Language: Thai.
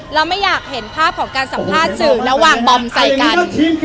เราไม่อยากเห็นภาพของการสัมภาษณ์สื่อแล้ววางบอมใส่กัน